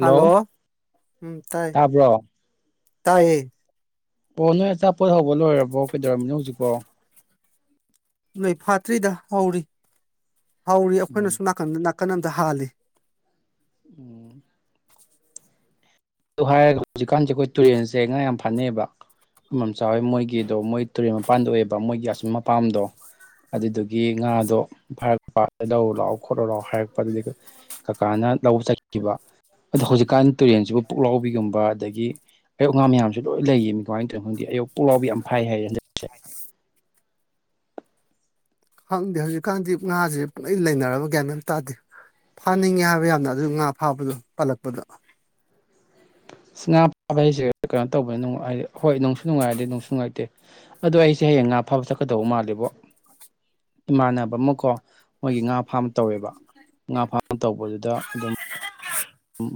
Hello ꯎꯝ ꯇꯥꯏ ꯇꯥꯕ꯭ꯔꯣ ꯇꯥꯏꯌꯦ ꯑꯣ ꯅꯣꯏ ꯑꯆꯥꯄꯣꯠ ꯍꯧꯕ ꯂꯣꯏꯔꯕꯣ ꯀꯩꯗꯧꯔꯝꯃꯤꯅꯣ ꯍꯧꯖꯤꯛꯄꯣ ꯅꯣꯏ ꯐꯥꯇ꯭ꯔꯤꯗ ꯍꯧꯔꯤ ꯍꯧꯔꯤ ꯑꯩꯈꯣꯏꯅ ꯎꯝ ꯁꯣꯝ ꯅꯥꯀꯟꯗ ꯅꯥꯀꯟ ꯑꯝꯗ ꯍꯥꯜꯂꯤ ꯎꯝ꯫ ꯑꯗꯨ ꯍꯥꯏꯔꯒ ꯍꯧꯖꯤꯛꯀꯥꯟꯖꯦ ꯑꯩꯈꯣꯏ ꯇꯨꯔꯦꯟꯖꯦ ꯉꯥ ꯌꯥꯝ ꯐꯅꯩꯑꯕ ꯃꯝꯆꯥ ꯍꯣꯢ ꯃꯣꯏꯒꯤꯗꯣ ꯃꯣꯏ ꯇꯨꯔꯦꯜ ꯃꯄꯥꯟꯗ ꯑꯣꯏꯑꯦꯕ ꯃꯣꯏꯒꯤ ꯑꯁꯨꯝ ꯃꯄꯥꯝꯗꯣ ꯑꯗꯨꯗꯨꯒꯤ ꯉꯥꯗꯣ ꯐꯔꯛꯄ ꯂꯧꯔꯣ ꯂꯥꯛꯑꯣ ꯈꯣꯠꯂꯨ ꯂꯥꯛꯑꯣ ꯍꯥꯏꯔꯛꯄ ꯑꯗꯨꯗꯨꯏꯒꯤ ꯀꯀꯥꯅ ꯂꯧꯕ ꯆꯠꯈꯤꯕ ꯑꯗꯣ ꯍꯧꯖꯤꯛꯀꯥꯟ ꯇꯨꯔꯦꯟꯁꯤꯕꯨ ꯄꯨꯛꯂꯥꯎꯕꯤꯒꯨꯝꯕ ꯑꯗꯥꯒꯤ ꯑꯌꯣꯛ ꯉꯥ ꯃꯌꯥꯝꯖꯦ ꯂꯣꯏ ꯂꯩꯌꯦꯃꯤ ꯀꯃꯥꯢ ꯇꯧꯔꯤꯅꯣ ꯈꯪꯗꯦ ꯑꯌꯣꯛ ꯄꯨꯛꯂꯥꯎꯕꯤ ꯌꯥꯝ ꯐꯥꯢ ꯍꯥꯢꯌꯦ ꯍꯟꯗꯛ [inaudible] ꯈꯪꯗꯦ ꯍꯧꯖꯤꯛꯀꯥꯟꯗꯤ ꯉꯥꯥꯖꯦ ꯄꯨꯨꯡꯂꯩ ꯂꯩꯅꯔꯕ ꯒ꯭ꯌꯥꯟ ꯃꯦꯟ ꯑꯝ ꯇꯥꯗꯦ꯫ ꯐꯥꯅꯤꯡꯉꯦ ꯍꯥꯏꯕ ꯌꯥꯝꯅ ꯑꯗꯨ ꯉꯥ ꯐꯥꯕꯗꯣ ꯄꯜꯂꯛꯄꯗ ꯏꯁ ꯉꯥ ꯐꯥꯕ ꯍꯥꯏꯖꯦ ꯀꯩꯅꯣ ꯇꯧꯕꯅꯤꯅ ꯍꯥꯏꯗꯤ ꯍꯣꯏ ꯅꯨꯡꯁꯨ ꯅꯨꯡꯉꯥꯏ ꯑꯗꯩ ꯅꯨꯡꯁꯨ ꯅꯨꯡꯉꯥꯏꯇꯦ ꯑꯗꯣ ꯑꯩꯁꯦ ꯍꯌꯦꯡ ꯉꯥ ꯐꯥꯕ ꯆꯠꯀꯗꯧꯕ ꯃꯥꯜꯂꯦꯕꯣ ꯏꯃꯥꯟꯅꯕ ꯑꯃꯀꯣ ꯃꯣꯏꯒꯤ ꯉꯥ ꯐꯥꯝ ꯇꯧꯋꯦꯕ꯫ ꯉꯥ ꯐꯥꯔꯝ ꯇꯧꯕꯗꯨꯗ ꯑꯗꯨꯝ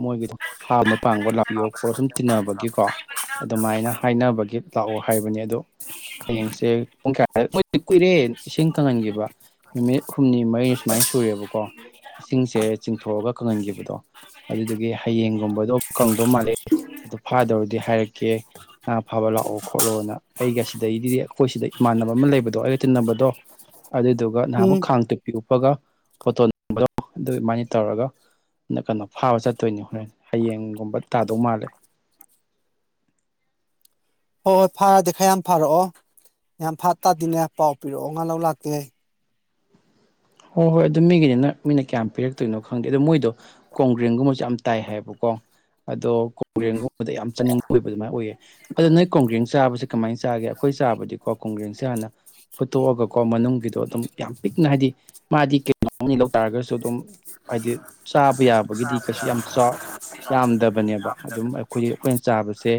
ꯃꯣꯏꯒꯤꯗꯣ ꯐꯥꯔꯝ ꯄꯥꯡꯕ ꯂꯥꯛꯄꯤꯌꯣ ꯈꯣ ꯁꯨꯝ ꯇꯤꯟꯅꯕꯒꯤꯀꯣ ꯑꯗꯨꯃꯥꯏꯅ ꯍꯥꯏꯅꯕꯒꯤ ꯂꯥꯛꯑꯣ ꯍꯥꯏꯕꯅꯤ ꯑꯗꯣ ꯍꯌꯦꯡꯁꯦ ꯄꯨꯡ ꯀꯌꯥꯗ ꯃꯣꯏꯗꯤ ꯀꯨꯏꯔꯦ ꯏꯁꯤꯡ ꯀꯪꯍꯟꯒꯤꯕ ꯅꯨꯃꯤꯠ ꯍꯨꯝꯅꯤ ꯃꯔꯤꯅꯤ ꯁꯨꯃꯥꯏ ꯁꯨꯔꯦꯕꯀꯣ ꯏꯁꯤꯡꯁꯦ ꯆꯤꯡꯊꯣꯛꯑꯒ ꯀꯪꯍꯟꯒꯤꯕꯗꯣ ꯑꯗꯨꯗꯨꯒꯤ ꯍꯌꯦꯡꯒꯨꯝꯕꯗꯣ ꯀꯪꯗꯣ ꯃꯥꯂꯦ ꯑꯗꯣ ꯐꯥꯗꯧꯔꯗꯤ ꯍꯥꯏꯔꯛꯀꯦ ꯉꯥ ꯐꯥꯕ ꯂꯥꯛꯑꯣ ꯈꯣꯠꯂꯣꯅ ꯑꯩꯒꯥ ꯁꯤꯗꯩꯗꯤ ꯑꯩꯈꯣꯏ ꯁꯤꯗꯩ ꯏꯃꯥꯟꯅꯕ ꯑꯃ ꯂꯩꯕꯗꯣ ꯑꯩꯒ ꯇꯤꯟꯅꯕꯗꯣ ꯑꯗꯨꯗꯨ ꯒ ꯎꯝ ꯅꯍꯥꯟꯃꯨꯛ ꯈꯥꯡ ꯇꯨꯄꯤ ꯎꯞꯄꯒ ꯐꯣꯇꯣ ꯅꯝꯕꯗꯣ ꯑꯗꯨ ꯢꯕꯥꯅꯤ ꯇꯧꯔꯒ ꯅꫭꯛꯀꯥꯅꯨ ꯐꯥꯕ ꯆꯠꯇꯣꯏꯅꯦ ꯍꯣꯔꯦꯟ ꯍꯌꯦꯡꯒꯨꯝꯕ ꯇꯥꯗꯧ ꯃꯥꯜꯂꯦ ꯍꯣꯏ ꯍꯣꯏ ꯐꯔꯥꯗꯤ ꯈꯔ ꯌꯥꯝ ꯐꯥꯔꯛꯑꯣ ꯌꯥꯝ ꯐꯥ ꯇꯥꯗꯤꯅꯦ ꯄꯥꯎ ꯄꯤꯔꯛꯑꯣ ꯉꯥ ꯂꯧ ꯂꯥꯛꯀꯦ ꯍꯣꯏ ꯍꯣꯏ ꯑꯗꯨ ꯃꯤꯒꯤꯅꯤꯅ ꯃꯤꯅ ꯀꯌꯥꯝ ꯄꯤꯔꯛꯇꯣꯏꯅꯣ ꯈꯪꯗꯦ ꯑꯗꯣ ꯃꯣꯏꯗꯣ ꯀꯣꯡꯒ꯭ꯔꯦꯟꯒꯨꯝꯕꯁꯨ ꯌꯥꯝ ꯇꯥꯏ ꯍꯥꯏꯌꯦꯕꯀꯣ ꯑꯗꯣ ꯀꫭꯡ ꯀꯣꯡꯒ꯭ꯔꯦꯡꯒꯨꯝꯕꯗꫭ ꯌꯥꯝ ꯆꯥꯅꯤꯡꯕ ꯑꯣꯏꯕ ꯑꯗꯨꯃꯥꯏ ꯑꯣꯏꯌꯦ ꯑꯗꯣ ꯅꯣꯏ ꯀꯣꯡꯒ꯭ꯔꯦꯡ ꯆꯥꯕꯁꯤ ꯀꯃꯥꯏ ꯆꯥꯒꯦ ꯑꯩꯈꯣꯏ ꯆꯥꯕꯗꯤꯀꯣ ꯀꫭꯡꯒ꯭ꯔꯦꯡꯁꯦ ꯍꯥꯟꯅ ꯐꯨꯠꯇꯣꯛꯑꯒꯀꯣ ꯃꯅꯨꯡꯒꯤꯗꯣ ꯑꯗꯨꯝ ꯌꯥꯝ ꯄꯤꯛꯅ ꯍꯥꯏꯗꯤ ꯃꯥꯗꯤ ꯀꯩꯅꯣꯅꯤ ꯂꯧ ꯇꯥꯔꯒꯁꯨ ꯑꯗꯨꯝ ꯍꯥꯏꯗꯤ ꯆꯥꯕ ꯌꯥꯕꯒꯤꯗꯤ ꯀꯩꯁꯨ ꯌꯥꯝ ꯆꯥ ꯌꯥꯝꯗꯕꯅꯦꯕ ꯑꯗꯨꯝ ꯑꯩꯈꯣꯏ ꯑꯩꯈꯣꯏꯅ ꯆꯥꯕꯁꯦ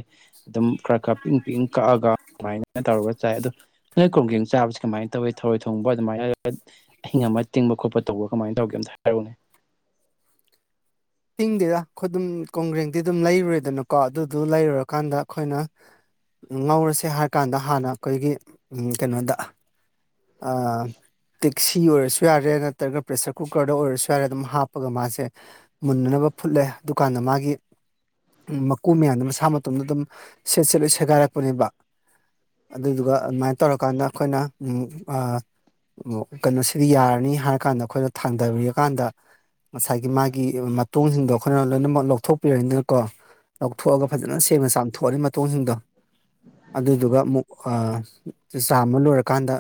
ꯑꯗꯨꯝ ꯈꯔ ꯈꯔ ꯄꯤꯡ ꯄꯤꯡ ꯀꯛꯑꯒ ꯑꯗꯨꯃꯥꯏꯅ ꯇꯧꯔꯒ ꯆꯥꯏ ꯑꯗꫭ ꯅꯣꯏ ꯀꫭꯡꯒ꯭ꯔꯦꯡ ꯆꯥꯕꯁꯤ ꯀꯃꯥꯏ ꯇꯧꯋꯤ ꯊꯔꯣꯏ ꯊꯣꯡꯕ ꯑꯗꯨꯃꯥꯏꯅ ꯑꯥꯠ ꯑꯍꯤꯡ ꯑꯃ ꯇꯤꯡꯕ ꯈꯣꯠꯄ ꯇꯧꯕ ꯀꯃꯥꯏ ꯇꯧꯒꯦ ꯑꯝꯇ ꯍꯥꯏꯔꯛꯎꯅꯦ ꯇꯤꯡꯗꯦꯗ ꯑꯩꯈꯣꯏꯗꯨꯝ ꯀꯣꯡꯒ꯭ꯔꯦꯡꯗꯤ ꯑꯗꯨꯝ ꯂꯩꯔꯨꯔꯦꯗꯅꯀꯣ ꯑꯗꯨꯒ ꯂꯩꯔꯨꯔꯀꯥꯟꯗ ꯑꯩꯈꯣꯏꯅ ꯉꯧꯔꯁꯦ ꯍꯥꯏꯔꯀꯥꯟꯗ ꯍꯥꯟꯅ ꯑꯩꯈꯣꯏꯒꯤ ꯎꯝ ꯀꯩꯅꯣꯗ ꯑꯥ ꯇꯦꯛꯁꯤ ꯑꯣꯏꯔꯁꯨ ꯌꯥꯔꯦ ꯅꯠꯇ꯭ꯔꯒ ꯄ꯭ꯔꯦꯁꯔ ꯀꯨꯀꯔꯗ ꯑꯣꯏꯔꯁꯨ ꯌꯥꯔꯦ ꯑꯗꯨꯝ ꯍꯥꯞꯄꯒ ꯃꯥꯁꯦ ꯃꯨꯟꯅꯅꯕ ꯐꯨꯠꯂꯦ ꯑꯗꯨꯀꯥꯟꯗ ꯃꯥꯒꯤ ꯃꯀꯨ ꯃꯌꯥꯝꯗꯨ ꯃꯁꯥ ꯃꯇꯣꯝꯇ ꯑꯗꯨꯝ ꯁꯦꯠ ꯁꯦꯠꯂꯣꯏ ꯁꯦꯒꯥꯏꯔꯛꯄꯅꯦꯕ ꯑꯗꯨꯗꯨꯒ ꯑꯗꯨꯃꯥꯏꯅ ꯇꯧꯔꯀꯥꯟꯗ ꯑꯩꯈꯣꯏꯅ ꯎꯝ ꯑꯥ ꯀꯩꯅꯣꯁꯤꯗꯤ ꯌꯥꯔꯅꯤ ꯍꯥꯏꯔꯀꯥꯟꯗ ꯑꯩꯈꯣꯏꯅ ꯊꯥꯡꯗꯕꯤꯔꯀꯥꯟꯗ ꯉꯁꯥꯏꯒꯤ ꯃꯥ ꯒꯤ ꯃꯇꯣꯡꯖꯤꯡꯗꯣ ꯑꯩꯈꯣꯏꯅ ꯂꯣꯏꯅꯃꯛ ꯂꯧꯊꯣꯛꯄꯤꯔꯅꯤꯅꯀꯣ ꯂꯧꯊꯣꯛꯑꯒ ꯐꯖꯅ ꯁꯦꯡꯅ ꯆꯥꯝꯊꯣꯛꯑꯅꯤ ꯃꯇꯣꯡꯁꯤꯡꯗꯣ ꯑꯗꯨꯗꯨꯒ ꯑꯃꯨꯛ ꯑꯥ ꯆꯥꯝꯕ ꯂꯣꯏꯔꯀꯥꯟꯗ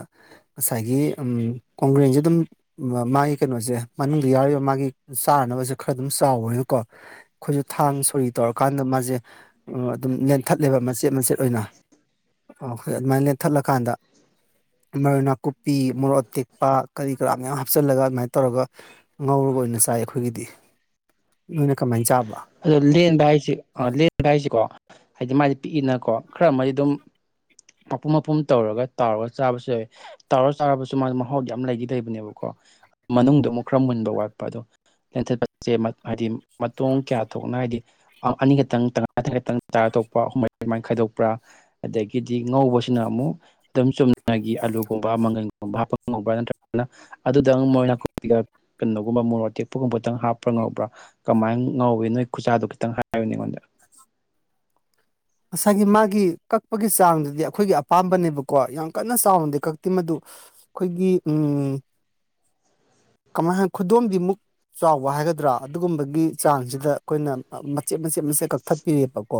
ꯉꯁꯥꯏꯒꯤ ꯎꯝ ꯀꯣꯡꯒ꯭ꯔꯦꯡꯖꯦ ꯑꯗꯨꯝ ꯃ ꯃꯥꯒꯤ ꯀꯩꯅꯣꯖꯦ ꯃꯅꯨꯡꯗ ꯌꯥꯎꯔꯤꯕ ꯃꯥꯒꯤ ꯆꯥꯅꯅꯕꯖꯦ ꯈꯔ ꯑꯗꯨꯝ ꯆꯥꯎꯕꯅꯤꯅꯀꯣ ꯑꯩꯈꯣꯏꯖꯨ ꯊꯥꯡ ꯁꯣꯔꯤ ꯇꯧꯔꯀꯥꯟꯗ ꯃꯥꯖꯦ ꯎꯝ ꯑꯗꯨꯝ ꯂꯦꯟꯊꯠꯂꯦꯕ ꯃꯆꯦꯠ ꯃꯆꯦꯠ ꯑꯣꯏꯅ ꯑꯣ [unintelligible] ꯂꯦꯟꯊꯠꯂꯀꯥꯟꯗ ꯃꯔꯣꯏ ꯅꯥꯀꯨꯞꯄꯤ ꯃꯣꯔꯣꯛ ꯑꯇꯦꯛꯄ ꯀꯔꯤ ꯀꯔꯥ ꯃꯌꯥꯝ ꯍꯥꯞꯆꯜꯂꯒ ꯑꯗꯨꯃꯥꯏ ꯇꯧꯔꯒ ꯉꯧꯔꯒ ꯑꯣꯏꯅ ꯆꯥꯏ ꯑꯩꯈꯣꯏꯒꯤꯗꯤ ꯅꯣꯏꯅ ꯀꯃꯥꯏꯟ ꯆꯥꯕ ꯑꯗꯣ ꯂꯦꯟꯕ ꯍꯥꯏꯁꯤ ꯑ ꯂꯦꯟꯕ ꯍꯥꯏꯁꯤꯀꯣ ꯍꯥꯏꯗꯤ ꯃꯥꯗꯤ ꯄꯤꯛꯏꯅꯀꯣ ꯈꯔ ꯑꯃꯗꯤ ꯑꯗꯨꯝ ꯃꯄꯨꯝ ꯃꯄꯨꯝ ꯇꯧꯔꯒ ꯇꯥꯎꯔꯒ ꯆꯥꯕꯁꯨ ꯌꯥꯏ ꯇꯥꯎꯔꯥ ꯆꯥꯔꯕꯁꯨ ꯃꯥꯗꯤ ꯃꯍꯥꯎꯗꯤ ꯌꯥꯝ ꯂꯩꯗꯤ ꯂꯩꯕꯅꯦꯕꯀꯣ ꯃꯅꯨꯡꯗ ꯑꯃꯨꯛ ꯈꯔ ꯃꯨꯟꯕ ꯋꯥꯠꯄ ꯑꯗꯣ ꯂꯦꯟꯊꯠꯄꯁꯦ ꯍꯥꯏꯗꯤ ꯃꯇꯣꯡ ꯀꯌꯥ [unintelligible] ꯑꯥ ꯑꯅꯤ ꯈꯇꯪ ꯇꯪꯈꯥꯏ ꯇꯪꯈꯥꯏ ꯈꯇꯪ ꯇꯥꯔ ꯇꯣꯛꯄ꯭ꯔꯥ ꯑꯍꯨꯝ ꯃꯔꯤ ꯑꯗꯨꯃꯥꯏꯅ ꯈꯥꯏꯗꯣꯛꯄ꯭ꯔꯥ ꯑꯗꯒꯤꯗꯤ ꯉꯧꯕꯁꯤꯅ ꯑꯃꯨꯛ ꯑꯗꯨꯝ ꯆꯨꯝꯅꯒꯤ ꯑꯂꯨꯒꯨꯝꯕ ꯃꯪꯒꯟꯒꯨꯝꯕ ꯍꯥꯞꯄꯒ ꯉꯧꯕ꯭ꯔꯥ ꯅꯠꯇ꯭ꯔꯒꯅ ꯑꯗꯨꯇꯪ ꯃꯔꯣꯏ ꯅꯥꯀꯨꯞꯄꯤꯒ ꯀꯩꯅꯣꯒꯨꯝꯕ ꯃꯣꯔꯣꯛ ꯑꯇꯦꯛꯄꯒꯨꯝꯕꯇꯪ ꯍꯥꯞꯄ꯭ꯔꯥ ꯉꯧꯕ꯭ꯔꯥ ꯀꯃꯥꯏꯟ ꯉꯧꯋꯤ ꯅꯣꯏ ꯈꯨꯆꯥꯥꯗꯣ ꯈꯤꯇꯪ ꯍꯥꯏꯌꯨꯅꯦ ꯑꯩꯉꯣꯟꯗ ꯉꯁꯥꯏꯒꯤ ꯃꯥꯒꯤ ꯀꯛꯄꯒꯤ ꯆꯥꯡꯗꯨꯗꯤ ꯑꯩꯈꯣꯏꯒꯤ ꯑꯄꯥꯝꯕꯅꯦꯕꯀꯣ ꯌꯥꯝ ꯀꯟꯅ ꯆꯥꯎꯅꯗꯤ ꯀꯛꯇꯦ ꯃꯗꯨ ꯑꯩꯈꯣꯏꯒꯤ ꯎꯝ ꯀꯃꯥꯏ ꯍꯥꯏꯅꯤ ꯈꯨꯗꯣꯝꯕꯤꯃꯨꯛ ꯆꯥꯎꯕ ꯍꯥꯏꯒꯗ꯭ꯔꯥ ꯑꯗꯨꯒꯨꯝꯕꯒꯤ ꯆꯥꯡꯖꯤꯗ ꯑꯩꯈꯣꯏꯅ ꯃꯆꯦꯠ ꯃꯆꯦꯠ ꯃꯆꯦꯠ ꯀꯛꯊꯠꯄꯤꯔꯦꯕꯀꯣ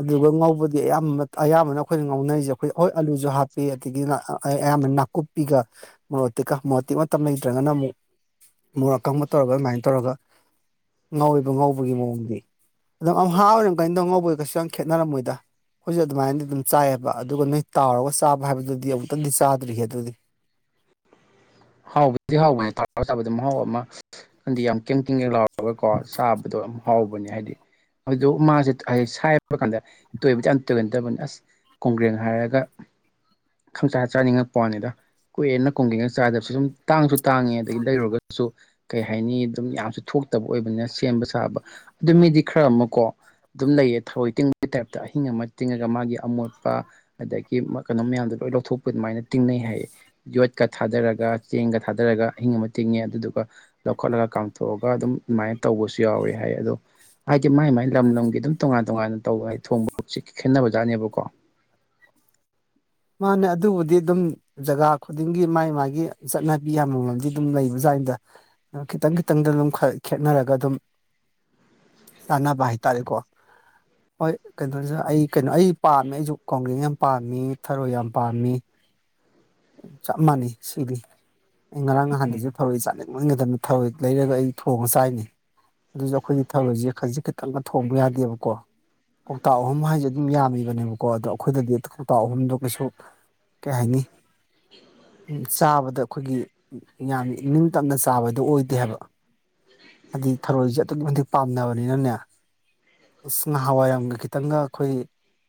ꯑꯗꯨꯒ ꯉꯧꯕꯗꯤ ꯑꯌꯥꯝꯕ ꯑꯌꯥꯝꯕꯅ ꯑꯩꯈꯣꯏꯅ ꯉꯧꯅꯩꯖꯦ ꯑꯩꯈꯣꯏ ꯍꯣꯏ ꯑꯂꯨꯖꯨ ꯍꯥꯞꯄꯤ ꯑꯗꯒꯤ ꯅꯥ ꯑꯥ ꯑꯦ ꯑꯌꯥꯝꯕꯅ ꯀꯨꯞꯄꯤꯒ ꯃꯣꯔꯣꯛꯇꯤꯛꯀ ꯃꯔꯣꯛꯇꯤꯛ ꯃꯇꯝ ꯂꯩꯇ꯭ꯔꯒꯅ ꯑꯃꯨꯛ ꯃꯣꯔꯣꯛ ꯑꯀꯪꯕ ꯇꯧꯔꯒ ꯑꯗꯨꯃꯥꯏꯅ ꯇꯧꯔꯒ ꯉꯧꯋꯦꯕ ꯉꯧꯕꯒꯤ ꯃꯑꯣꯡꯗꯤ ꯑꯗꯨꯝ ꯑꯝꯍꯥꯥ ꯑꯣꯏꯔꯝꯒꯅꯤꯗ ꯉꯧꯕ ꯑꯣꯏꯒꯁꯨ ꯀꯩꯁꯨ ꯌꯥꯝ ꯈꯦꯠꯅꯔꯝꯃꯣꯏꯗ ꯑꯩꯈꯣꯏꯖꯨ ꯑꯗꯨꯃꯥꯏꯅꯗꯤ ꯑꯗꯨꯝ ꯆꯥꯏꯑꯕ ꯑꯗꯨꯒ ꯅꯣꯏ ꯇꯥꯎꯔꯒ ꯆꯥꯕ ꯍꯥꯏꯕꯗꯨꯗꯤ ꯑꯃꯨꯛꯇꯪꯗꯤ ꯆꯥꯗ꯭ꯔꯤꯍꯦ ꯑꯗꯨꯗꯤ ꯍꯥꯎꯕꯗꯤ ꯍꯥꯎꯕꯅꯦ ꯇꯥꯎꯔꯥ ꯆꯥꯕꯗ ꯃꯍꯥꯎ ꯑꯃ [unintelligible] ꯂꯥꯎ [unintelligible] ꯀꯣ ꯆꯥꯕꯗꯣ ꯌꯥꯝ ꯍꯥꯎꯕꯅꯦ ꯍꯥꯏꯗꯤ ꯑꯗꯨꯗꯣ ꯃꯥꯖꯦ [unintelligible] ꯁꯥꯏꯕ ꯀꯥꯟꯗ ꯇꯣꯏꯕꯗꯤ ꯌꯥꯝ ꯇꯣꯏꯒꯟꯗꯕꯅꯤ ꯑꯁ ꯀꯣꯡꯒ꯭ꯔꯦꯡ ꯍꯥꯏꯔꯒ ꯈꯪꯆꯥꯥ ꯆꯥꯅꯤꯡꯉꯛꯄ꯭ꯋꯥꯅꯤꯗ ꯀꯨꯏꯔꯦꯅ ꯀꯣꯡꯒ꯭ꯔꯦꯡꯒ ꯆꯥꯗ ꯁꯤ ꯑꯗꯨꯝ ꯇꯥꯡꯁꯨ ꯇꯥꯡꯉꯦ ꯑꯗꯒꯤ ꯂꯩꯔꯨꯔꯒꯁꯨ ꯀꯩ ꯍꯥꯏꯅꯤ ꯑꯗꯨꯝ ꯌꯥꯝꯁꯨ ꯊꯣꯛꯇꯕ ꯑꯣꯏꯕꯅꯤꯅ ꯁꯦꯝꯕ ꯁꯥꯕ ꯑꯗꯨ ꯃꯤꯗꯤ ꯈꯔ ꯑꯃꯀꯣ ꯑꯗꯨꯝ ꯂꯩꯌꯦ ꯊꯔꯣꯏ ꯇꯤꯡꯕꯒꯤ ꯇꯥꯏꯞꯇ ꯑꯍꯤꯡ ꯑꯃ ꯇꯤꯡꯉꯒ ꯃꯥꯒꯤ ꯑꯃꯣꯠꯄ ꯑꯗꯒꯤ ꯀꯩꯅꯣ ꯃꯌꯥꯝꯗꯣ ꯂꯣꯏ ꯂꯧꯊꯣꯛꯄ ꯑꯗꯨꯃꯥꯏꯅ ꯇꯤꯡꯅꯩ ꯍꯥꯏꯌꯦ ꯌꯣꯠꯀ ꯊꯥꯗꯔꯒ ꯆꯦꯡꯒ ꯊꯥꯗꯔꯒ ꯑꯍꯤꯡ ꯑꯃ ꯇꯤꯡꯉꯦ ꯑꯗꯨꯗꯨꯒ ꯂꯧꯈꯠꯂꯒ ꯀꯥꯝꯊꯣꯛꯑꯒ ꯑꯗꯨꯝ ꯑꯗꯨꯃꯥꯏꯅ ꯇꯧꯕꯁꯨ ꯌꯥꯎꯋꯤ ꯍꯥꯏ ꯑꯗꯣ ꯍꯥꯏꯗꯤ ꯃꯥꯏ ꯃꯥꯏ ꯂꯝ ꯂꯝꯒꯤ ꯑꯗꯨꯝ ꯇꯣꯉꯥꯟ ꯇꯣꯉꯥꯟꯅ ꯇꯧꯕ ꯍꯥꯏ ꯊꯣꯡꯕꯁ ꯈꯦꯠꯅꯕ ꯖꯥꯠꯅꯦꯕꯀꯣ ꯃꯥꯅꯦ ꯑꯗꯨꯕꯨꯗꯤ ꯑꯗꯨꯝ ꯖꯒꯥ ꯈꯨꯗꯤꯡꯒꯤ ꯃꯥꯏ ꯃꯥꯒꯤ ꯆꯠꯅꯕꯤ ꯑꯥꯝꯃꯝꯗꯤ ꯑꯗꯨꯝ ꯂꯩꯕꯖꯥꯟꯗ ꯈꯤꯇꯪ ꯈꯤꯇꯪꯗ ꯑꯗꯨꯝ ꯈꯔ ꯈꯦꯠꯅꯔꯒ ꯑꯗꯨꯝ ꯆꯥꯅꯕ ꯍꯥꯏꯇꯥꯔꯦꯀꯣ ꯍꯣꯏ ꯀꯩꯅꯣꯁꯨ ꯑꯩ ꯀꯩꯅꯣ ꯑꯩ ꯄꯥꯝꯃꯦ ꯑꯩꯁꯨ ꯀꯣꯡꯒ꯭ꯔꯦꯡ ꯌꯥꯝ ꯄꯥꯝꯃꯤ ꯊꯔꯣꯏ ꯌꯥꯝ ꯄꯥꯝꯃꯤ ꯆꯞ ꯃꯥꯟꯅꯩ ꯁꯤꯗꯤ ꯑꯩ ꯉꯔꯥꯡ ꯅꯍꯥꯟꯗꯁꯨ ꯊꯧꯔꯣꯏ ꯆꯥꯅꯤꯡ ꯃꯟꯒꯤꯗꯕꯅ ꯊꯧꯔꯣꯏ ꯂꯩꯔꯒ ꯑꯩ ꯊꯣꯡꯉ ꯆꯥꯏꯅꯤ ꯑꯗꯨꯁꯨ ꯑꯩꯈꯣꯏꯒꯤ ꯊꯔꯣꯏꯁꯦ ꯈꯖꯤꯛ ꯈꯤꯛꯇꯪꯒ ꯊꯣꯡꯕ ꯌꯥꯗꯦꯕꯀꯣ ꯀꯧꯇꯥ ꯑꯍꯨꯝ ꯍꯥꯏꯁꯦ ꯑꯗꯨꯝ ꯌꯥꯝꯃꯤꯕꯅꯦꯕꯀꯣ ꯑꯗꯣ ꯑꯩꯈꯣꯏꯗꯤ ꯀꯧꯇꯥꯥ ꯑꯍꯨꯝꯗꯨ ꯃꯤꯁꯨꯞ ꯀꯩ ꯍꯥꯏꯅꯤ ꯆꯥꯕꯗ ꯑꯩꯈꯣꯏꯒꯤ ꯌꯥꯝ ꯅꯤꯡꯇꯝꯅ ꯆꯥꯕꯗꯨ ꯑꯣꯏꯗꯦ ꯍꯥꯏꯕ ꯍꯥꯏꯗꯤ ꯊꯔꯣꯏꯁꯦ ꯑꯗꯨꯛꯀꯤ ꯃꯇꯤꯛ ꯄꯥꯝꯅꯕꯅꯤꯅꯅꯦ ꯑꯁ ꯉꯥꯍꯋꯥꯏꯔꯝꯒ ꯈꯤꯇꯪꯒ ꯑꯩꯈꯣꯏ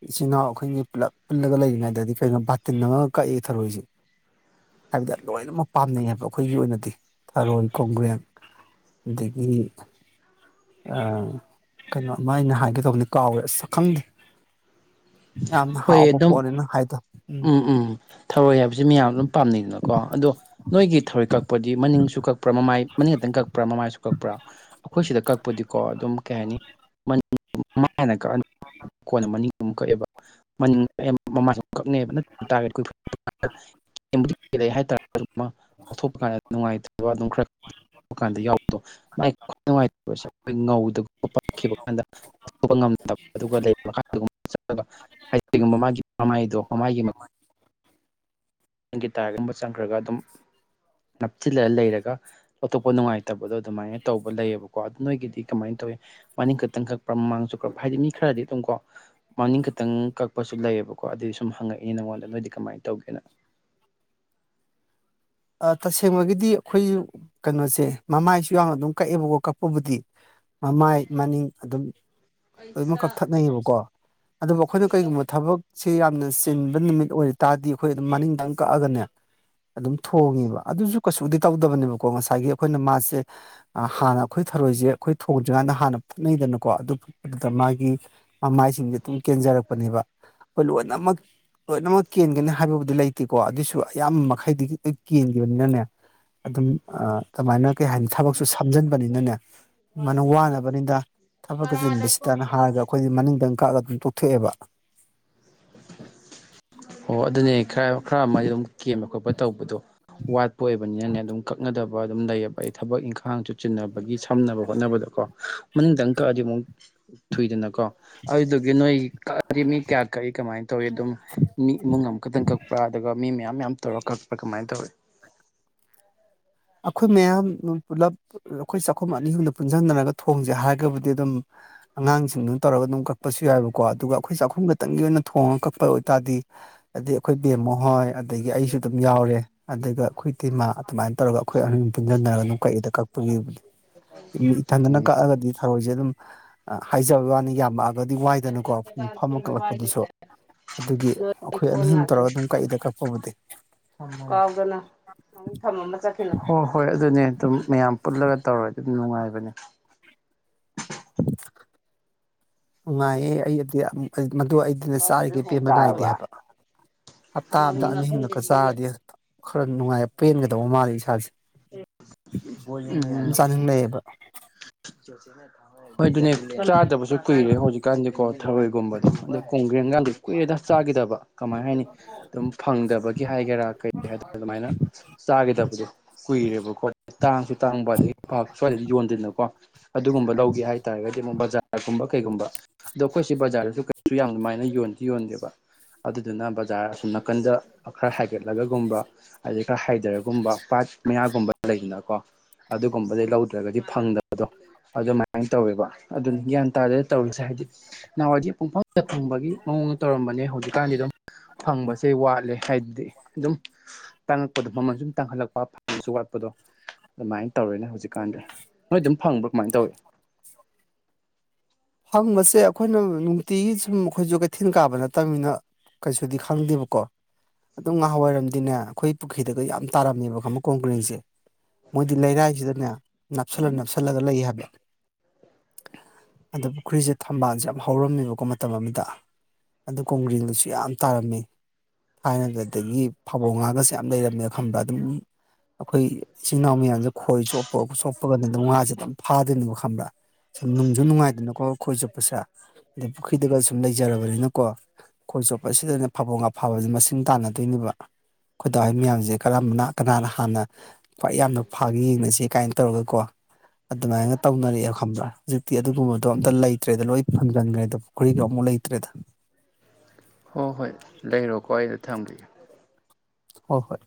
ꯏꯆꯤꯜ ꯏꯅꯥꯎ ꯑꯩꯈꯣꯏꯒꯤ ꯄꯨꯂꯞ ꯄꯨꯜꯂꯒ ꯂꯩꯔꯤꯉꯩꯗ ꯀꯩꯅꯣ ꯕꯥꯇꯤꯟ ꯑꯃꯉꯒ ꯀꯛꯏ ꯊꯔꯣꯏꯁꯤ ꯍꯥꯏꯕꯗꯦ ꯂꯣꯏꯅꯃꯛ ꯄꯥꯝꯅꯩ ꯍꯥꯏꯕ ꯑꯩꯈꯣꯏꯒꯤ ꯑꯣꯏꯅꯗꯤ ꯊꯔꯣꯏ ꯀꯣꯡꯒ꯭ꯔꯦꯡ ꯑꯗꯒꯤ ꯑꯥ ꯀꯩꯅꯣꯃ ꯑꯩꯅ ꯍꯥꯏꯒꯦ ꯇꯧꯕꯅꯤ ꯀꯥꯎꯒ꯭ꯔꯦ ꯑꯁ ꯈꯪꯗꯦ ꯌꯥꯝ ꯍꯣꯏ ꯍꯥꯎꯕ ꯑꯗꯨꯝ ꯄꯣꯠꯅꯤ ꯅꯍꯥꯏꯗꯨ ꯎꯝ ꯎꯝ ꯊꯧꯔꯣꯏ ꯍꯥꯏꯕꯁꯤ ꯃꯌꯥꯝ ꯑꯗꯨꯝ ꯄꯥꯝꯅꯩꯗꯅꯀꯣ ꯑꯗꯣ ꯅꯣꯏꯒꯤ ꯊꯧꯔꯣꯏ ꯀꯛꯄꯗꯤ ꯃꯅꯤꯡꯁꯨ ꯀꯛꯄ꯭ꯔꯥ ꯃꯃꯥꯏ ꯃꯅꯤꯡ ꯈꯛꯇꯪ ꯀꯛꯄ꯭ꯔꯥ ꯃꯃꯥꯏꯁꯨ ꯀꯛꯄ꯭ꯔꯥ ꯑꯩꯈꯣꯏ ꯁꯤꯗ ꯀꯛꯄꯗꯤꯀꯣ ꯑꯗꯨꯝ ꯀꯩ ꯍꯥꯏꯅꯤ [unintelligible] ꯀꯣꯟꯅ ꯃꯅꯤꯡꯃꯨꯛ ꯀꯛꯑꯦꯕ ꯃꯅꯤꯡ [unintelligible] ꯀꯛꯅꯦꯕ [unintelligible] [unintelligible] ꯍꯥꯏꯇꯥꯔ ꯑꯃ ꯂꯧꯊꯣꯛꯄ ꯀꯥꯟꯗ ꯅꯨꯡꯉꯥꯏꯇꯕ ꯑꯗꯨꯝ ꯈꯔ ꯄ ꯀꯥꯟꯗ ꯌꯥꯎꯕꯗꯣ ꯃꯥꯏ ꯈꯨꯅꯨꯡꯉꯥꯏꯇ ꯈꯣꯏ ꯉꯧꯗꯒ ꯄꯥꯛꯈꯤꯕꯥ [unintelligible] ꯍꯥꯏꯗꯤꯒꯨꯝꯕ ꯃꯥꯒꯤ ꯃꯃꯥꯏꯗꯣ ꯃꯥꯃꯥꯏꯒꯤ ꯅꯪꯒꯤ ꯇꯥꯏꯔꯒꯨꯝꯕ ꯆꯪꯈ꯭ꯔꯒ ꯑꯗꯨꯝ ꯅꯞꯁꯤꯜꯂ ꯂꯩꯔꯒ ꯑꯣꯇꯣꯞꯄ ꯅꯨꯡꯉꯥꯏꯇꯕꯗꯣ ꯑꯗꯨꯃꯥꯏꯅ ꯇꯧꯕ ꯂꯩꯌꯦꯕꯀꯣ ꯑꯗꯨ ꯅꯣꯏꯒꯤꯗꯤ ꯀꯃꯥꯏꯅ ꯇꯧꯋ ꯃꯥꯅꯤꯡ ꯈꯛꯇꯪ ꯈꯛꯄ꯭ꯔꯥ ꯃꯃꯥꯡꯁꯨ ꯀꯄ ꯍꯥꯏꯗꯤ ꯃꯤ ꯈꯔꯗꯤ ꯑꯗꯨꯝ ꯀꯣ ꯃꯅꯤꯡ ꯈꯇꯪ ꯀꯛꯄꯁꯨ ꯂꯩꯌꯦꯕꯀꯣ ꯑꯗꯨꯏ ꯁꯨꯝ ꯍꯪꯉꯛꯏ ꯅꯉꯣꯟꯗ ꯅꯣꯏꯗꯤ ꯀꯃꯥꯏꯅ ꯇꯧꯒꯦꯅ ꯑꯥ ꯇꯁꯦꯡꯕꯒꯤꯗꯤ ꯑꯩꯈꯣꯏ ꯀꯩꯅꯣꯁꯦ ꯃꯃꯥꯏꯁꯨ ꯌꯥꯎꯅ ꯑꯗꯨꯝ ꯀꯛꯑꯦꯕꯀꯣ ꯀꯛꯄꯕꯨꯗꯤ ꯃꯃꯥꯏ ꯃꯅꯤꯡ ꯑꯗꯨꯝ ꯂꯣꯏꯃꯛ ꯀꯛꯊꯠꯅꯩꯌꯦꯕꯀꯣ ꯑꯗꯨꯕꯨ ꯑꯩꯈꯣꯏꯅ ꯀꯩꯒꯨꯝꯕ ꯊꯕꯛꯁꯤ ꯌꯥꯝꯅ ꯆꯤꯟꯕ ꯅꯨꯃꯤꯠ ꯑꯣꯏꯔ ꯇꯥꯔꯗꯤ ꯑꯩꯈꯣꯏ ꯑꯗꯨꯝ ꯃꯅꯤꯡꯗꯪ ꯀꯛꯑꯒꯅꯦ ꯑꯗꯨꯝ ꯊꯣꯡꯉꯦꯕ ꯑꯗꯨꯁꯨ ꯀꯩꯁꯨꯗꯤ ꯇꯧꯗꯕꯅꯦꯕꯀꯣ ꯉꯁꯥꯏꯒꯤ ꯑꯩꯈꯣꯏꯅ ꯃꯥꯁꯦ ꯑꯥ ꯍꯥꯟꯅ ꯑꯩꯈꯣꯏ ꯊꯔꯣꯏꯁꯦ ꯑꯩꯈꯣꯏ ꯊꯣꯡꯗ꯭ꯔꯤꯀꯥꯟꯗ ꯍꯥꯟꯅ ꯐꯨꯠꯅꯩꯗꯅꯀꯣ ꯑꯗꯨ [unintelligible] ꯃꯥꯒꯤ ꯃꯃꯥꯏꯁꯤꯡꯁꯦ ꯑꯗꯨꯝ ꯀꯦꯟꯖꯔꯛꯄꯅꯦꯕ ꯑꯩꯈꯣꯏ ꯂꯣꯏꯅꯃꯛ ꯂꯣꯏꯅꯃꯛ ꯀꯦꯟꯒꯅꯤ ꯍꯥꯏꯕꯕꯨꯗꯤ ꯂꯩꯇꯦꯀꯣ ꯑꯗꯨꯏꯁꯨ ꯑꯌꯥꯝꯕ ꯃꯈꯩꯗꯤ ꯀꯦꯟꯒꯤꯕꯅꯤꯅꯅꯦ ꯑꯗꯨꯝ ꯑꯥ ꯑꯗꯨꯃꯥꯏꯅ ꯀꯩ ꯍꯥꯏꯅꯤ ꯊꯕꯛꯁꯨ ꯁꯝꯖꯟꯕꯅꯤꯅꯅꯦ ꯃꯅ ꯋꯥꯅꯕꯅꯤꯗ ꯊꯕꯛꯀ ꯆꯤꯟꯕꯁꯤꯗꯅ ꯍꯥꯏꯔꯒ ꯑꯩꯈꯣꯏꯗꯤ ꯃꯅꯤꯡꯗꯪ ꯀꯛꯑꯒ ꯑꯗꯨꯝ ꯇꯨ ꯊꯣꯛꯑꯦꯕ ꯑꯣ ꯑꯗꯨꯅꯦ ꯈꯔ ꯈꯔ ꯑꯃꯗꯤ ꯑꯗꯨꯝ ꯀꯦꯝꯕ ꯈꯣꯠꯄ ꯇꯧꯕꯗꯣ ꯋꯥꯠꯄ ꯑꯣꯏꯕꯅꯤꯅꯅꯦ ꯑꯗꯨꯝ ꯀꯛꯅꯗꯕ ꯑꯗꯨꯝ ꯂꯩꯌꯦꯕ ꯑꯩ ꯊꯕꯛ ꯏꯪꯈꯥꯡꯁꯨ ꯆꯤꯟꯅꯕꯒꯤ ꯁꯝꯅꯕ ꯍꯣꯠꯅꯕꯗꯀꯣ ꯃꯅꯨꯡꯗꯪ ꯀꯛꯑꯗꯤ ꯑꯃꯨꯛ ꯊꯨꯏꯗꯅꯀꯣ ꯑꯗꯨꯗꯨꯒꯤ ꯅꯣꯏ ꯀꯛꯑꯗꯤ ꯃꯤ ꯀꯌꯥ ꯀꯔꯤ ꯀꯃꯥꯏꯅ ꯇꯧꯏ ꯑꯗꯨꯝ ꯃꯤ ꯏꯃꯨꯡ ꯑꯃꯈꯛꯇꯪ ꯀꯛꯄ꯭ꯔꯥ ꯑꯗꯨꯒ ꯃꯤ ꯃꯌꯥꯝ ꯃꯌꯥꯝ ꯇꯧꯔ ꯀꯛꯄ꯭ꯔꯥ ꯀꯃꯥꯏꯅ ꯇꯧꯏ ꯑꯩꯈꯣꯏ ꯃꯌꯥꯝ ꯄꯨꯂꯞ ꯑꯩꯈꯣꯏ ꯆꯥꯛꯈꯨꯝ ꯑꯅꯤ ꯑꯍꯨꯝꯗꯣ ꯄꯨꯟꯁꯤꯟꯅꯔꯒ ꯊꯣꯡꯁꯦ ꯍꯥꯏꯔꯒꯕꯨꯗꯤ ꯑꯗꯨꯝ ꯑꯉꯥꯡꯁꯤꯡꯗꯨꯅ ꯇꯧꯔꯒ ꯑꯗꯨꯝ ꯀꯛꯄꯁꯨ ꯌꯥꯏꯑꯕꯀꯣ ꯑꯗꯨꯒ ꯑꯩꯈꯣꯏ ꯆꯥꯛꯈꯨꯝ ꯈꯛꯇꯪꯒꯤ ꯑꯣꯏꯅ ꯊꯣꯡꯉꯒ ꯀꯛꯄ ꯑꯣꯏꯇꯥꯔꯗꯤ ꯑꯗꯩ ꯑꯩꯈꯣꯏ ꯕꯦꯝꯃ ꯍꯣꯏ ꯑꯗꯒꯤ ꯑꯩꯁꯨ ꯑꯗꯨꯝ ꯌꯥꯎꯔꯦ ꯑꯗꯨꯒ ꯑꯩꯈꯣꯏ ꯇꯩꯃꯥ ꯑꯗꯨꯃꯥꯏꯅ ꯇꯧꯔꯒ ꯑꯩꯈꯣꯏ ꯑꯍꯥꯟ ꯄꯨꯟꯁꯤꯟꯅꯔꯒ ꯑꯗꯨꯡ ꯀꯛꯏꯗ ꯀꯛꯄꯒꯤꯕꯨꯗꯤ ꯏꯊꯟꯇꯅ ꯎꯝ ꯀꯛꯑꯒꯗꯤ ꯊꯔꯣꯏꯖꯦ ꯑꯗꯨꯝ ꯍꯥꯏꯖꯕ ꯋꯥꯅꯤ ꯌꯥꯝꯃꯛꯑꯒꯗꯤ ꯋꯥꯏꯗꯅꯀꯣ ꯐꯝꯃ ꯀꯛꯂꯛꯄꯗꯨꯁꯨ ꯑꯗꯨꯒꯤ ꯑꯩꯈꯣꯏ ꯑꯅꯤ ꯑꯍꯨꯝ ꯇꯧꯔꯒ ꯑꯗꯨꯝ ꯀꯛꯏꯗ ꯀꯛꯄꯕꯨꯗꯤ ꯀꯥꯎꯗꯅ ꯑꯃꯨꯛ ꯊꯝꯃꯝꯃ ꯆꯠꯈꯤꯅꯨꯀꯣ ꯍꯣꯏ ꯑꯗꯨꯅꯦ ꯑꯗꯨꯝ ꯃꯌꯥꯝ ꯄꯨꯜꯂꯒ ꯇꯧꯔꯗꯤ ꯑꯗꯨꯝ ꯅꯨꯡꯉꯥꯏꯕꯅꯦ ꯅꯨꯡꯉꯥꯏꯌꯦ ꯑꯩꯗꯤ ꯃꯗꯣ ꯑꯩꯗꯤꯅꯦ ꯆꯥꯔꯤꯈꯩ ꯄꯦꯟꯕ ꯅꯥꯏꯗꯦ ꯇꯥꯔꯕ ꯍꯥꯏꯕ ꯍꯞꯇꯥ ꯑꯝꯗ ꯑꯅꯤ ꯍꯨꯝꯂꯛꯀ ꯆꯥꯔꯗꯤ ꯈꯔ ꯅꯨꯡꯉꯥꯏ ꯄꯦꯟꯒꯗꯧꯕ ꯃꯥꯜꯂꯤ ꯏꯁꯥꯁꯦ ꯗꯨꯝ ꯎꯝ ꯆꯥꯅꯤꯡ ꯂꯩꯩꯌꯦꯕ [unintelligible] ꯍꯣꯏ ꯑꯗꯨꯅꯦ ꯆꯥꯗꯕꯁꯨ ꯀꯨꯏꯔꯦ ꯍꯧꯖꯤꯛꯀꯥꯟꯗꯤꯀꯣ ꯊꯔꯣꯏꯒꯨꯝꯕꯗꯣ ꯑꯗ ꯀꯣꯡꯒ꯭ꯔꯦꯟ ꯒꯥꯟꯗꯤ ꯀꯨꯏꯔꯦꯗ ꯆꯥꯒꯤꯗꯕ ꯀꯃꯥꯏꯅ ꯍꯥꯏꯅꯤ ꯑꯗꯨꯝ ꯐꯪꯗꯕꯒꯤ ꯍꯥꯏꯒꯦꯔꯥ ꯀꯩ ꯍꯥꯏꯗꯣ ꯑꯗꯨꯃꯥꯏꯅ ꯆꯥꯒꯤꯗꯕꯗꯣ ꯀꯨꯏꯔꯦꯕꯀꯣ ꯇꯥꯡꯁꯨ ꯇꯥꯡꯕ ꯑꯗꯒꯤ ꯄꯥꯛ ꯁ꯭ꯋꯥꯏꯗ ꯌꯣꯟꯗꯦꯅꯀꯣ ꯑꯗꯨꯒꯨꯝꯕ ꯂꯧꯒꯦ ꯍꯥꯏꯇꯥꯔꯒꯗꯤ ꯑꯃꯨꯛ ꯕꯖꯥꯔꯒꯨꯝꯕ ꯀꯩꯒꯨꯝꯕ ꯑꯗꯣ ꯑꯩꯈꯣꯏꯁꯦ ꯕꯖꯥꯔꯗꯁꯨ ꯀꯩꯁꯨ ꯌꯥꯝ ꯃꯥꯏꯅ ꯌꯣꯟꯗꯤ ꯌꯣꯟꯗꯦꯕ ꯑꯗꯨꯗꯨꯅ ꯕꯖꯥꯔ ꯑꯁꯨꯝ ꯅꯥꯀꯟꯗ ꯈꯔ ꯍꯥꯏꯒꯠꯂꯒꯒꯨꯝꯕ ꯑꯗꯩ ꯈꯔ ꯍꯥꯏꯊꯔꯒꯨꯝꯕ ꯄꯥꯠ ꯃꯌꯥꯒꯨꯝꯕ ꯂꯩꯗꯅꯀꯣ ꯑꯗꯨꯒꯨꯝꯕꯗꯩ ꯂꯧꯗ꯭ꯔꯒꯗꯤ ꯐꯪꯗꯕꯗꯣ ꯑꯗꯨꯃꯥꯏꯅ ꯇꯧꯋꯦꯕ ꯑꯗꯨꯅ ꯒ꯭ꯌꯥꯟ ꯇꯥꯗꯦꯗ ꯇꯧꯔꯤꯁꯦ ꯍꯥꯏꯗꯤ ꯅꯍꯥꯟꯋꯥꯏꯗꯤ ꯄꯨꯡꯐꯡꯗ ꯐꯨꯡꯕꯒꯤ ꯃꯑꯣꯡꯗ ꯇꯧꯔꯝꯕꯅꯦ ꯍꯧꯖꯤꯛꯀꯥꯟꯗꯤ ꯑꯗꯨꯝ ꯐꯪꯕꯁꯦ ꯋꯥꯠꯂꯦ ꯍꯥꯏꯕꯗꯤ ꯑꯗꯨꯝ ꯇꯥꯡꯉꯛꯄꯗ ꯃꯃꯜ ꯁꯨꯝ ꯇꯥꯡꯍꯜꯂꯛꯄ ꯐꯪꯕꯁꯨ ꯋꯥꯠꯄꯗꯣ ꯑꯗꯨꯃꯥꯏꯅ ꯇꯧꯔꯦꯅꯦ ꯍꯧꯖꯤꯛꯀꯥꯟꯗ ꯅꯣꯏ ꯑꯗꯨꯝ ꯐꯪꯕ꯭ꯔ ꯀꯃꯥꯏ ꯇꯧꯋꯤ ꯐꯪꯕꯁꯦ ꯑꯩꯈꯣꯏꯅ ꯅꯨꯡꯇꯤꯒꯤ ꯁꯨꯝ ꯑꯩꯈꯣꯏꯁꯨ ꯀꯩꯊꯦꯜ ꯀꯥꯕ ꯅꯠꯇꯃꯤꯅ ꯀꯩꯁꯨꯗꯤ ꯈꯪꯗꯦꯕꯀꯣ ꯑꯗꯨꯝ ꯉꯍꯥꯟꯋꯥꯏꯔꯝꯗꯤꯅꯦ ꯑꯩꯈꯣꯏ ꯄꯨꯈ꯭ꯔꯤꯗꯒ ꯌꯥꯝ ꯇꯥꯔꯝꯃꯦꯕ ꯈꯪꯕ꯭ꯔ ꯀꯣꯡꯒ꯭ꯔꯦꯡꯁꯦ ꯃꯣꯏꯗꯤ ꯂꯩꯔꯥꯏꯁꯤꯗꯅꯦ ꯅꯞꯁꯜꯂ ꯅꯞꯁꯜꯂꯒ ꯂꯩ ꯍꯥꯏꯕ ꯑꯗ ꯄꯨꯈ꯭ꯔꯤꯁꯦ ꯊꯝꯕꯥꯜꯁꯦ ꯌꯥꯝ ꯍꯧꯔꯝꯃꯦꯕꯀꯣ ꯃꯇꯝ ꯑꯃꯗ ꯑꯗꯨ ꯀꯣꯡꯒ꯭ꯔꯦꯡꯗꯨꯁꯨ ꯌꯥꯝ ꯇꯥꯔꯝꯃꯦ ꯊꯥꯏꯅ ꯑꯗꯒꯤ ꯐꯥꯕꯣ ꯉꯥꯒꯁꯦ ꯌꯥꯝ ꯂꯩꯔꯝꯃꯦ ꯈꯪꯕ꯭ꯔ ꯑꯗꯨꯝ ꯑꯩꯈꯣꯏ ꯏꯆꯤꯟ ꯏꯅꯥꯎ ꯃꯌꯥꯝꯁꯦ ꯈꯣꯏ ꯆꯣꯞ ꯄꯣꯛ ꯁꯣꯛꯄꯒꯗꯨꯝ ꯉꯥꯁꯦ ꯑꯗꯨꯝ ꯐꯥꯗꯣꯏꯅꯦꯕꯣ ꯈꯪꯕ꯭ꯔꯥ ꯁꯨꯝ ꯅꯨꯡꯁꯨꯅꯨꯡꯉꯥꯏ ꯑꯗꯨꯅꯀꯣ ꯈꯣꯏ ꯆꯨꯞꯄꯁꯦ ꯑꯗꯩ ꯄꯨꯈ꯭ꯔꯤꯗꯒ ꯁꯨꯝ ꯂꯩꯖꯔꯕꯅꯤꯅꯀꯣ ꯈꯣꯏ ꯆꯣꯠꯄꯁꯤꯗꯅꯦ ꯐꯥꯕꯣ ꯉꯥ ꯐꯥꯕꯁꯦ ꯃꯁꯤꯡ ꯇꯥꯟꯅꯗꯣꯏꯅꯦꯕ ꯑꯩꯈꯣꯏ ꯗꯥꯍꯣꯏ ꯃꯌꯥꯝꯁꯦ ꯀꯔꯝꯕꯅꯥ ꯀꯅꯥꯅ ꯍꯥꯟꯅ ꯈ꯭ꯋꯥꯏ ꯌꯥꯝꯅ ꯐꯥꯒꯦ ꯌꯦꯡꯅꯁꯦ ꯀꯥꯏꯟ ꯇꯧꯔꯒ ꯀꯣ ꯑꯗꯨꯃꯥꯏꯒ ꯇꯧꯅꯔꯛꯑꯦ ꯈꯪꯕ꯭ꯔꯥ ꯍꯧꯖꯤꯛꯇꯤ ꯑꯗꯨꯒꯨꯝꯕ ꯗꯣ ꯑꯝꯇ ꯂꯩꯇ꯭ꯔꯦꯗ ꯂꯣꯏ ꯐꯪꯖꯟꯒ꯭ꯔꯦꯗ ꯄꯨꯈ꯭ꯔꯤꯒ ꯑꯝꯕꯨꯛ ꯂꯩꯇ꯭ꯔꯦꯗ ꯍꯣꯏ ꯍꯣꯏ ꯂꯩꯔꯣꯀꯣ ꯑꯩꯗꯣ ꯊꯝꯕꯤꯒꯦ ꯍꯣꯏ ꯍꯣꯏ